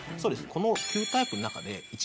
この９タイプの中でえーっ